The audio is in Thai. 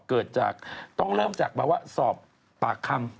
เกิดจากต้องเริ่มจากแบบว่าสอบปากคำ